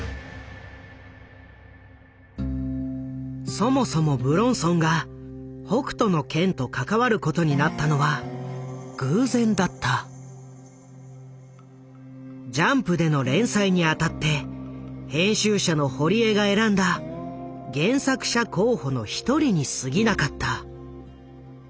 そもそも武論尊が「北斗の拳」と関わることになったのはジャンプでの連載にあたって編集者の堀江が選んだ原作者候補の一人にすぎなかった。